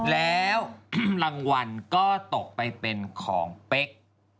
แล้วรางวัลก็ตกไปเป็นของเป๊ก